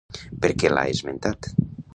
Per què l'ha esmentat?